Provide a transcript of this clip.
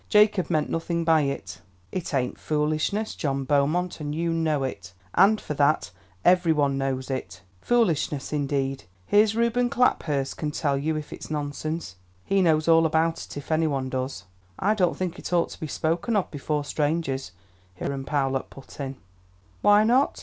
"Jacob meant nothing by it." "It ain't foolishness, John Beaumont, and you know it and, for that, every one knows it. Foolishness indeed! Here's Reuben Claphurst can tell you if it's nonsense; he knows all about it if any one does." "I don't think it ought to be spoken of before strangers," Hiram Powlett put in. "Why not?"